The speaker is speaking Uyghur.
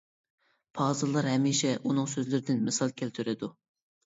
پازىللار ھەمىشە ئۇنىڭ سۆزلىرىدىن مىسال كەلتۈرىدۇ.